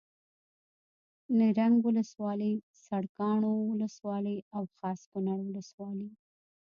نرنګ ولسوالي سرکاڼو ولسوالي او خاص کونړ ولسوالي